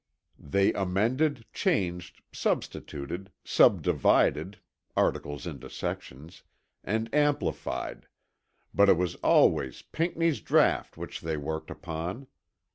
They amended, changed, substituted, subdivided (articles into sections), and amplified; but it was always Pinckney's draught which they worked upon.